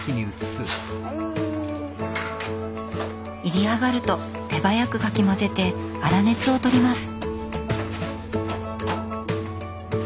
炒り上がると手早くかき混ぜて粗熱を取ります。